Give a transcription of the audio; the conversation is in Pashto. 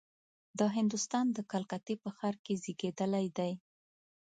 د هندوستان د کلکتې په ښار کې زېږېدلی دی.